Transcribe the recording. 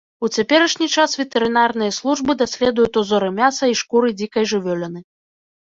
У цяперашні час ветэрынарныя службы даследуюць узоры мяса і шкуры дзікай жывёліны.